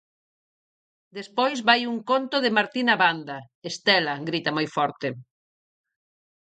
Despois vai un conto de Martina Vanda, Estela, grita moi forte!